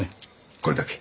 これだけ。